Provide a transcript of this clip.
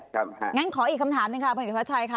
ค่ะงั้นขออีกคำถามหนึ่งค่ะพระอิทธิพัชชัยคะ